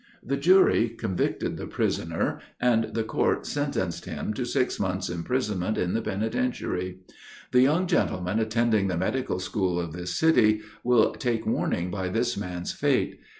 The jury convicted the prisoner, and the court sentenced him to six months' imprisonment in the Penitentiary. _The young gentlemen attending the Medical School of this city, will take warning by this man's fate.